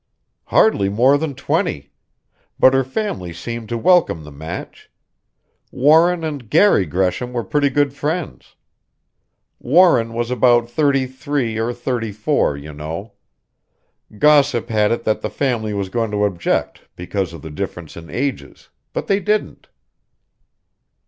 "Hardly more than twenty; but her family seemed to welcome the match. Warren and Garry Gresham were pretty good friends. Warren was about thirty three or thirty four, you know. Gossip had it that the family was going to object because of the difference in ages, but they didn't."